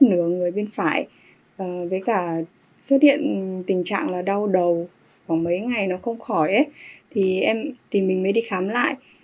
nửa người bên phải với cả xuất hiện tình trạng là đau đầu khoảng mấy ngày nó không khỏi thì em thì mình mới đi khám lại